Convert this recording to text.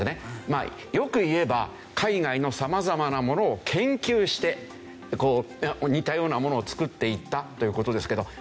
まあ良く言えば海外の様々なものを研究して似たようなものを作っていったという事ですけど。